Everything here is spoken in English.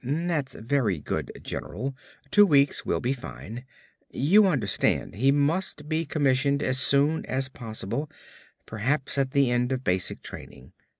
"That's very good, general, two weeks will be fine. You understand he must be commissioned as soon as possible, perhaps at the end of basic training....